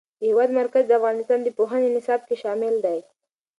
د هېواد مرکز د افغانستان د پوهنې نصاب کې شامل دی.